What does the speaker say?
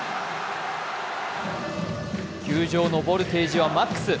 球場のボルテージはマックス。